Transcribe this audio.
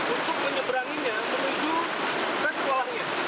untuk menyeberanginya menuju ke sekolahnya